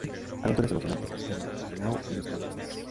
Aventuras emocionantes esperan a Lou y los campistas.